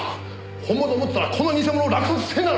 本物を持ってたらこんな偽物落札せんだろ！